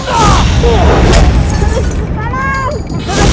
saya kenang amat